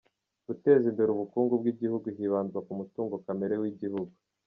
Guteza imbere ubukungu bw’igihugu hibandwa ku mutungo kamere w’igihugu